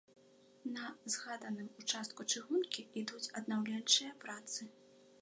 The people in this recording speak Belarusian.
На згаданым участку чыгункі ідуць аднаўленчыя працы.